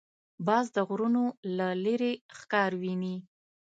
باز د غرونو له لیرې ښکار ویني